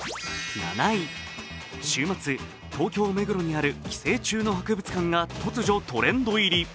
週末、東京・目黒にある寄生虫の博物館が突如トレンド入り。